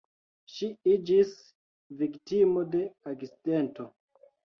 Ŝi iĝis viktimo de akcidento.